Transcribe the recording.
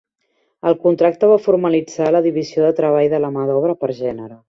El contracte va formalitzar la divisió de treball de la mà d'obra per gènere.